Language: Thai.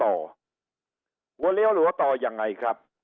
หัวเลี้ยวหลัวต่อยังไงครับ